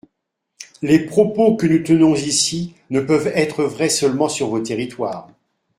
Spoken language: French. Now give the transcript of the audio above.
Les propos que nous tenons ici ne peuvent être vrais seulement sur vos territoires.